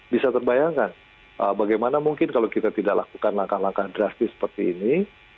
bisa terbayangkan bagaimana mungkin kalau kita tidak lakukan langkah langkah drastis seperti ini